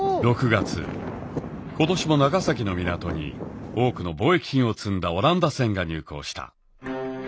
６月今年も長崎の港に多くの貿易品を積んだオランダ船が入港した。